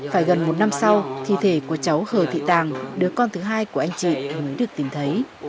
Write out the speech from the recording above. phải gần một năm sau thi thể của cháu hờ thị tàng đứa con thứ hai của anh chị mới được tìm thấy